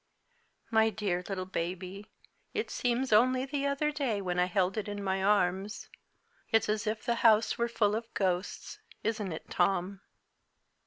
"My dear little baby! It seems only the other day when I held it in my arms. It's as if the house were full of ghosts isn't it, Tom?"